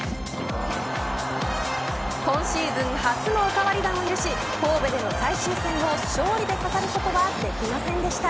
今シーズン初のおかわり弾を許し神戸での最終戦を勝利で飾ることはできませんでした。